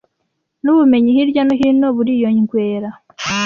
n’ubumenyi hirya no hino buriyongwera